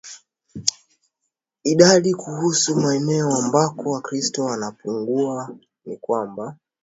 idadi Kuhusu maeneo ambako Wakristo wanapungua ni kwamba